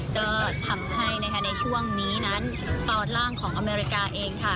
ก็ทำให้ในช่วงนี้นั้นตอนล่างของอเมริกาเองค่ะ